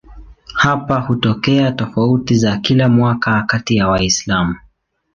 Hapa hutokea tofauti za kila mwaka kati ya Waislamu.